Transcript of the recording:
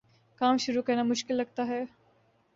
کام شروع کرنا مشکل لگتا ہے